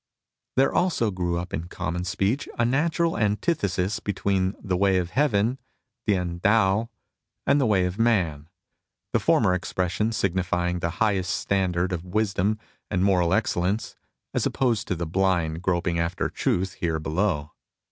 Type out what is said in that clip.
There also grew up in common speech a natural antithesis between the Way of Heaven (T'ien Tao) and the Way of man, the former expression signifying the highest standard of wisdom and moral excellence, as opposed to the blind groping after truth here below.